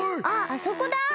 ああそこだ！